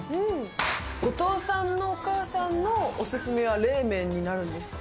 後藤さんのお母さんのお勧めは冷麺になるんですか？